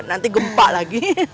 nanti gempa lagi